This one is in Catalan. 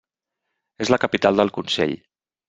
És la capital del consell.